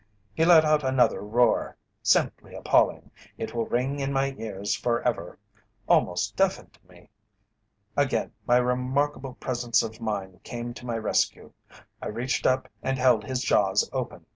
"He let out another roar simply appalling it will ring in my ears forever almost deafened me. Again my remarkable presence of mind came to my rescue. I reached up and held his jaws open.